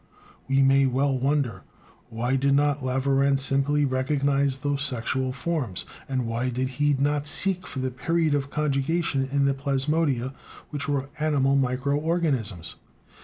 We may well wonder: Why did not Laveran simply recognize those sexual forms, and why did he not seek for the period of conjugation in the plasmodia, which were animal micro organisms?